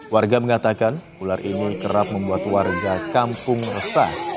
warga mengatakan ular ini kerap membuat warga kampung resah